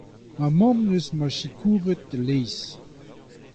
Ma mamm he deus ma sikouret e-leizh.